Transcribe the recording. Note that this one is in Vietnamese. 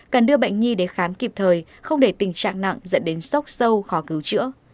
cần đưa bệnh nhi đến khám kịp thời không để tình trạng nặng dẫn đến sốc sâu khó cứu chữa